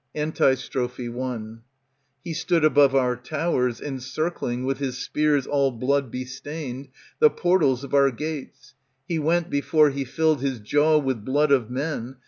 Antistrophe I He stood above our towers. Encircling, with his spears all blood bestained. The portals of our gates ; He went, before he filled ^^ His jaw with blood of men.